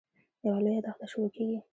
یوه لویه دښته شروع کېږي.